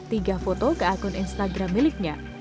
tiga foto ke akun instagram miliknya